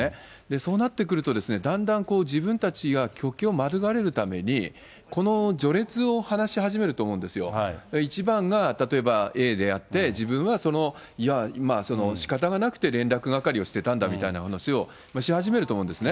そうなってくるとですね、だんだん自分たちが極刑を免れるために、この序列を話し始めると思うんですよ、一番が例えばＡであって、自分はその、しかたがなくて連絡係をしてたんだみたいな話をし始めると思うんですね。